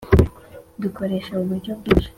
bukoresha uburyo bwinshi